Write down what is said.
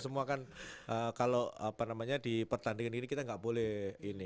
semua kan kalau apa namanya di pertandingan gini kita nggak boleh ini